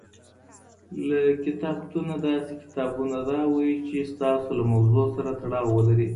له کتابتونه داسي کتابونه راوړئ چي ستاسو له موضوع سره تړاو ولري.